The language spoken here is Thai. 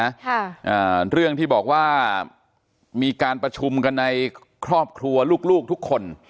อ่าเรื่องที่บอกว่ามีการประชุมกันในครอบครัวลูกลูกทุกคน